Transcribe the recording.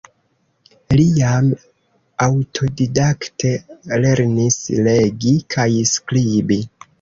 Li jam aŭtodidakte lernis legi kaj skribi.